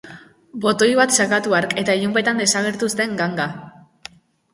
Botoi bat sakatu hark, eta ilunpetan desagertu zen ganga.